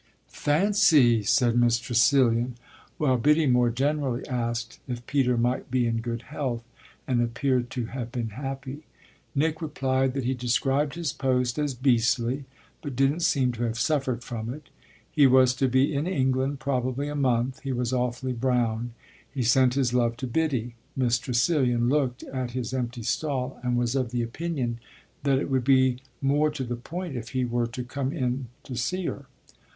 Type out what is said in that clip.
"Fancy!" said Miss Tressilian; while Biddy more generally asked if Peter might be in good health and appeared to have been happy. Nick replied that he described his post as beastly but didn't seem to have suffered from it. He was to be in England probably a month, he was awfully brown, he sent his love to Biddy. Miss Tressilian looked at his empty stall and was of the opinion that it would be more to the point if he were to come in to see her.